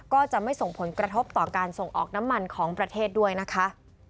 ก็จะไม่ส่งผลกระทบต่อการส่งออกน้ำมันของประเทศด้วยนะคะ